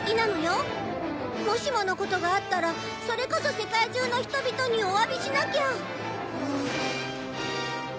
もしものことがあったらそれこそ世界中の人々にお詫びしなきゃ。